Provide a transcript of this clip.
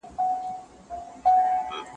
کرار کرار ولاړ سه.